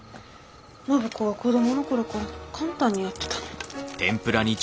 暢子は子供の頃から簡単にやってたのに。